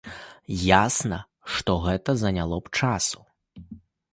Ясна, што гэта заняло б часу.